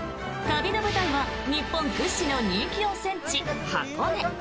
旅の舞台は日本屈指の人気温泉地、箱根。